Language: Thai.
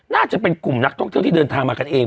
น่าจะเป็นกลุ่มนักท่องเที่ยวที่เดินทางมากันเอง